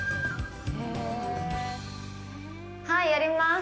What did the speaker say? はい、やります！